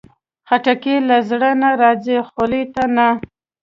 خټکی له زړه نه راځي، خولې ته نه.